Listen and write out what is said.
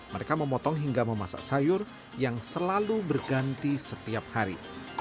mereka memotong hingga memasak sayur yang selalu berganti setiap hari